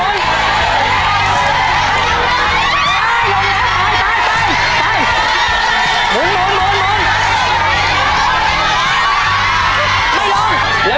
หมุนหมุนหมุน